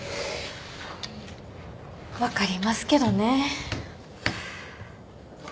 分かりますけどね。